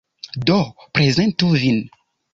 Do, prezentu vin!